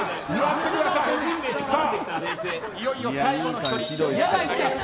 いよいよ最後の１人。